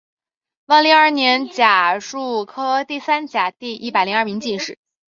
万历二年甲戌科第三甲第一百零二名进士。